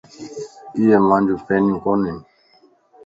ايي مانجيون پينيون ڪونين